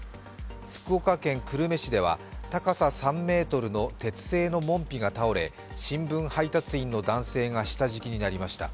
福岡県久留米市では、高さ３ｍの鉄製の門扉が倒れ、新聞配達員の男性が下敷きになりました。